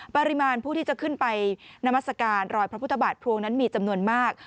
ปริมาณผู้ที่จะขึ้นไปนามัศกาลรอยพระพุทธบาทพลวงนั้นมีจำนวนมาก